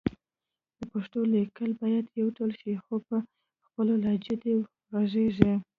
د پښتو لیکل باید يو ډول شي خو په خپلو لهجو دې غږېږي